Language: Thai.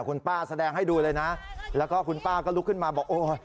คุณป้าแสดงให้ดูเลยนะแล้วก็คุณป้าก็ลุกขึ้นมาบอกโอ้ย